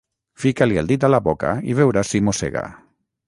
Fica-li el dit a la boca i veuràs si mossega.